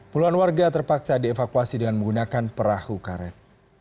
puluhan warga terpaksa dievakuasi dengan menggunakan perahu karet